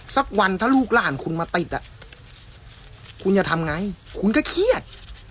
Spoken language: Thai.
สักวันถ้าลูกหลานคุณมาติดอ่ะคุณจะทำไงคุณก็เครียด